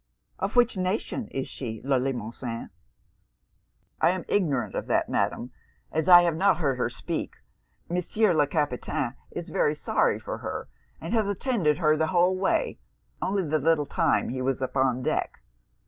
'Of which nation is she, Le Limosin?' 'I am ignorant of that, Madam, as I have not heard her speak. Monsieur Le Capitaine is very sorry for her, and has attended her the whole way, only the little time he was upon deck.'